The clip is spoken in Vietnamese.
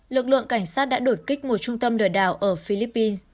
lực lượng cảnh sát đã đột kích một trung tâm lừa đảo ở philippines